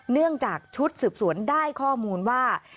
เนื่องจากชุดสืบสวนได้ข้อมูลว่า